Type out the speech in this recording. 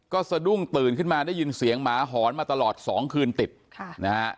ก็สะดุ้งตื่นขึ้นมาได้ยินเสียงหมาหอนมาตลอดสองคืนติดค่ะนะฮะ